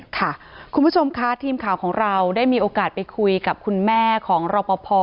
ค่ะคุณผู้ชมค่ะทีมข่าวของเราได้มีโอกาสไปคุยกับคุณแม่ของรอปภ